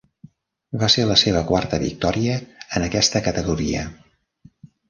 Va ser la seva quarta victòria en aquesta categoria.